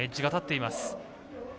エッジが立っています。